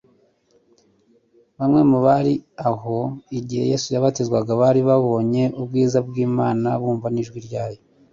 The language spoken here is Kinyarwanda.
Bamwe mu bari aho, igihe Yesu yabatizwaga bari babonye ubwiza bw'Imana bumva n'ijwi ryayo.